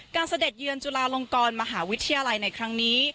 เสด็จเยือนจุฬาลงกรมหาวิทยาลัยในครั้งนี้